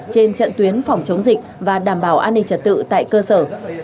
trên trận tuyến phòng chống dịch và đảm bảo an ninh trật tự tại cơ sở